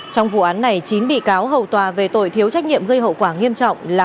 trong vụ án này chín bị cáo hầu tòa về tội thiếu trách nhiệm gây hậu quả nghiêm trọng là